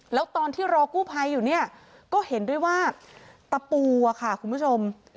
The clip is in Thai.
แล้วตอนที่รอกู้ภัยอยู่เนี่ยก็เห็นด้วยว่าตะปูอะค่ะคุณผู้ชม